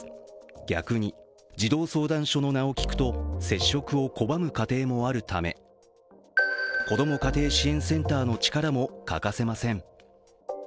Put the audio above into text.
逆に児童相談所の名を聞くと、接触を拒む家庭もあるため、子ども家庭支援センターの力も欠かせません。